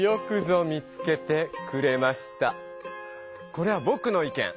これはぼくの意見。